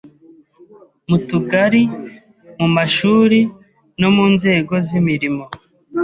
Mu tugari, mu mashuri no mu nzego z’imirimo.